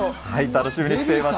楽しみにしています。